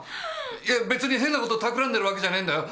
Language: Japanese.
いや別に変なこと企んでるわけじゃねえんだよ。